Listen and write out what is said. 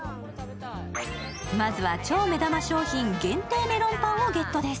まずは超目玉商品限定メロンパンをゲットです。